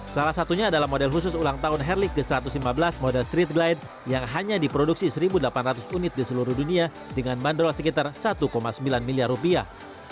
salah satunya adalah model khusus ulang tahun harley ke satu ratus lima belas model street glide yang hanya diproduksi satu delapan ratus unit di seluruh dunia dengan bandrol sekitar satu sembilan miliar rupiah